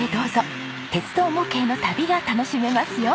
鉄道模型の旅が楽しめますよ。